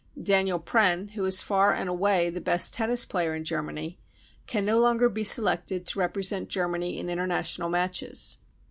Daniel Prenn, who is far and away the best tennis player in Germany, can no longer be selected to represent Germany in international matches.